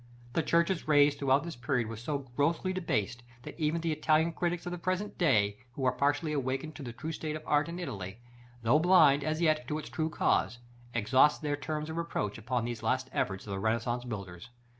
The churches raised throughout this period are so grossly debased, that even the Italian critics of the present day, who are partially awakened to the true state of art in Italy, though blind, as yet, to its true cause, exhaust their terms of reproach upon these last efforts of the Renaissance builders.